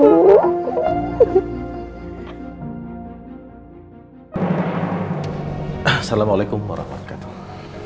assalamualaikum warahmatullahi wabarakatuh